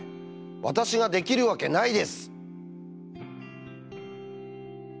私ができるわけないです！」。